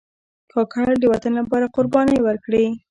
کاکړ د وطن لپاره قربانۍ ورکړي.